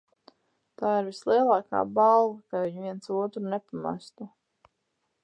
Tā ir vislielākā balva, ka viņi viens otru nepamestu.